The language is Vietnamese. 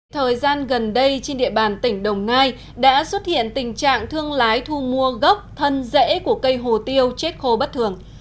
thời gian gần đây trên địa bàn tỉnh đồng nai đã xuất hiện tình trạng thương lái thu mua gốc thân rễ của cây hồ tiêu chết khô bất thường